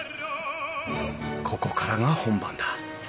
ここからが本番だ。